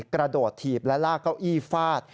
กระโดดถีบและลากเก้าอี้ฟาด